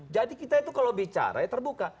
jadi kita itu kalau bicara ya terbuka